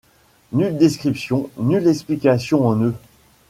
Nulle description, nulle explication en eux.